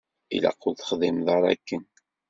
Ilaq ur texdimeḍ ara akken.